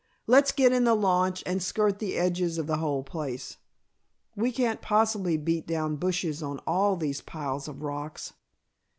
Let's get in the launch and skirt the edges of the whole place. We can't possibly beat down bushes on all these piles of rocks."